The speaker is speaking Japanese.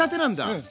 うん。